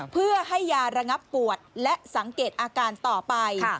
เพื่อให้ยาระงับปวดและสังเกตอาการต่อไป